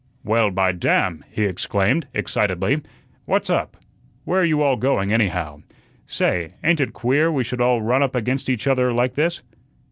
"Well, by damn!" he exclaimed, excitedly. "What's up? Where you all going, anyhow? Say, ain't ut queer we should all run up against each other like this?"